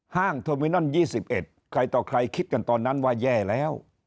โทมินอน๒๑ใครต่อใครคิดกันตอนนั้นว่าแย่แล้ว